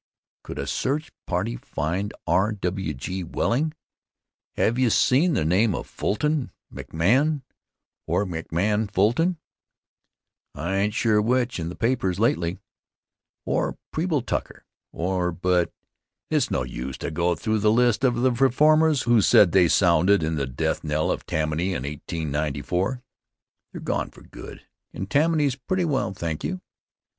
Could a search party find R. W. G. Welling? Have you seen the name of Fulton McMahon or McMahon Fulton I ain't sure which in the papers lately? Or Preble Tucker? Or but it's no use to go through the list of the reformers who said they sounded in the death knell of Tammany in 1894. They're gone for good, and Tammany's pretty well, thank you.